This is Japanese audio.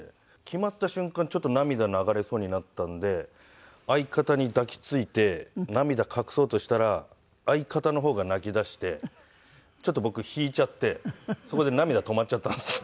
決まった瞬間ちょっと涙流れそうになったので相方に抱きついて涙隠そうとしたら相方の方が泣きだしてちょっと僕引いちゃってそこで涙止まっちゃったんです。